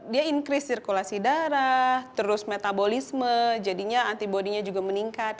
dia increase sirkulasi darah terus metabolisme jadinya antibody nya juga meningkat